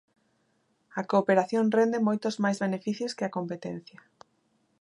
A cooperación rende moitos máis beneficios que a competencia.